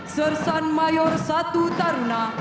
sersan mayor satu taruna